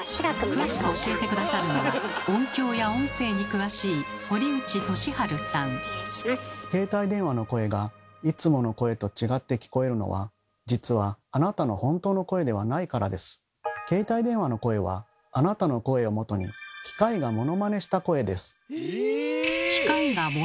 詳しく教えて下さるのは音響や音声に詳しい携帯電話の声がいつもの声と違って聞こえるのは携帯電話の声はあなたの声をもとに機械がモノマネした声です。